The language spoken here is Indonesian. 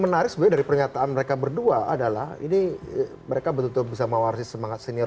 menarik sebenarnya dari pernyataan mereka berdua adalah ini mereka betul betul bisa mewarisi semangat senior